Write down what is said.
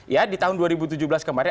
ya di tahun dua ribu tujuh belas kemarin